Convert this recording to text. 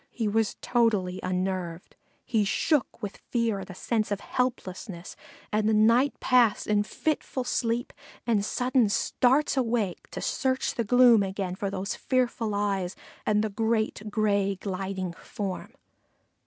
He was totally unnerved. He shook with fear and a sense of helplessness, and the night passed in fitful sleep and sudden starts awake to search the gloom again for those fearful eyes and the great gray gliding form.